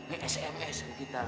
ini sms kita